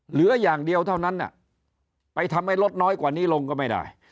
เหลืออย่างเดียวเท่านั้นไปทำให้รถน้อยกว่านี้ลงก็ไม่ได้